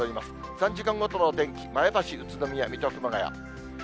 ３時間ごとのお天気、前橋、宇都宮、水戸、熊谷。